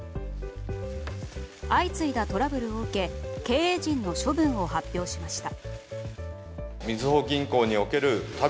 相次いだトラブルを受け経営陣の処分を発表しました。